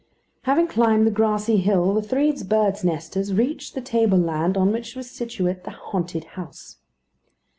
Having climbed the grassy hill, the three birds' nesters reached the tableland on which was situate the haunted house.